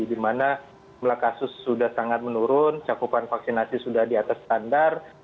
di mana kasus sudah sangat menurun cakupan vaksinasi sudah di atas standar